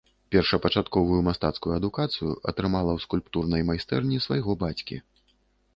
Першапачатковую мастацкую адукацыю атрымала ў скульптурнай майстэрні свайго бацькі.